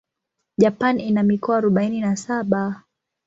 Japan ina mikoa arubaini na saba.